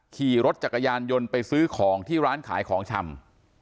ขี่รถจักรยานยนต์ไปซื้อของที่ร้านขายของชำ